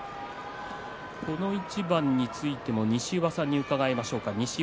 この一番については西岩さんに伺いましょう。